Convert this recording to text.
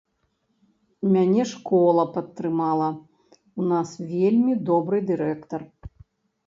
Мяне школа падтрымала, у нас вельмі добры дырэктар.